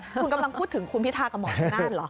คุณกำลังพูดถึงคุณพิทากับหมอชำนาญเหรอ